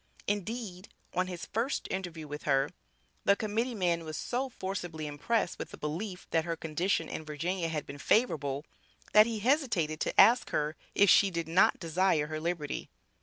Indeed, on his first interview with her, the Committee man was so forcibly impressed with the belief, that her condition in Virginia had been favorable, that he hesitated to ask her if she did not desire her liberty.